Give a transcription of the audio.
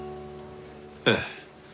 ええ。